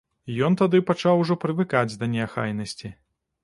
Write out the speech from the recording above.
Ён тады пачаў ужо прывыкаць да неахайнасці.